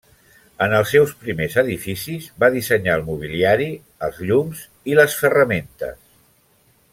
En els seus primers edificis va dissenyar el mobiliari, els llums i les ferramentes.